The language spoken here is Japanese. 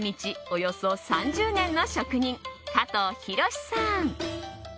およそ３０年の職人加藤宏史さん。